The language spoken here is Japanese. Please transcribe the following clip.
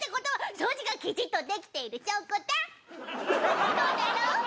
そうだろ？